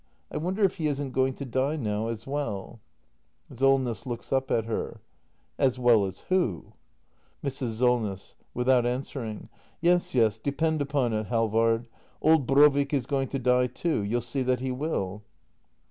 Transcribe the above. ] I wonder if h e isn't going to die now, as well ? Solness. [Looks up at her.] As well as who ? Mrs. Solness. [Without answering.] Yes, yes — depend upon it, Hal vard, old Brovik is going to die too. You'll see that he will.